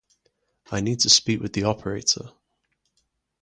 I need to speak with the operator.